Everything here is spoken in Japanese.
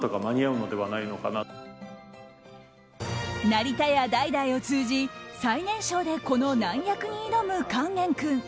成田屋代々を通じ最年少でこの難役に挑む勸玄君。